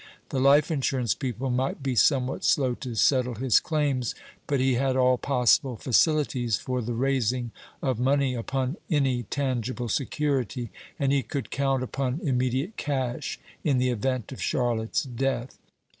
The life insurance people might be somewhat slow to settle his claims; but he had all possible facilities for the raising of money upon any tangible security, and he could count upon immediate cash, in the event of Charlotte's death.